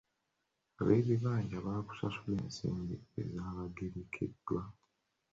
Ab'ebibanja baakusasula ensimbi ezaabagerekeddwa.